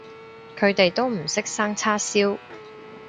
佢哋都唔識生叉燒